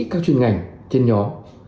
các chuyên ngành trên nhóm